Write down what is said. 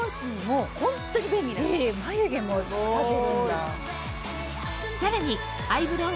眉毛も描けるんだ。